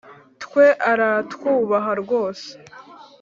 twe aratwubaha rwose-